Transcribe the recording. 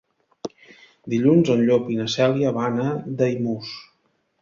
Dilluns en Llop i na Cèlia van a Daimús.